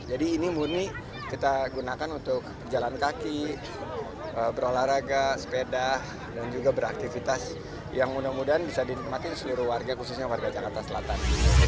jadi ini murni kita gunakan untuk jalan kaki berolahraga sepeda dan juga beraktivitas yang mudah mudahan bisa dinikmatkan seluruh warga khususnya warga jakarta selatan